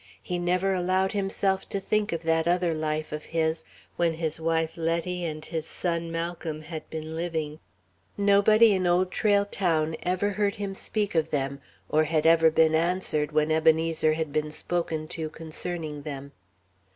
He never allowed himself to think of that other life of his, when his wife, Letty, and his son Malcolm had been living. Nobody in Old Trail Town ever heard him speak of them or had ever been answered when Ebenezer had been spoken to concerning them.